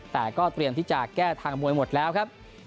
แต่ก็เตรียมที่จะแก้ทางมวยหมดแล้วครับ